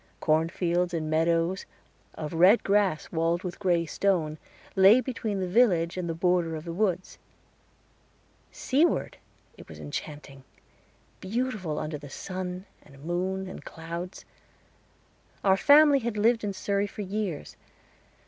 Cornfields and meadows of red grass walled with gray stone, lay between the village and the border of the woods. Seaward it was enchanting beautiful under the sun and moon and clouds. Our family had lived in Surrey for years.